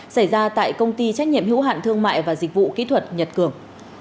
xảy ra tại công ty trách nhiệm hữu hạn thương mại và dịch vụ kỹ thuật nhật cường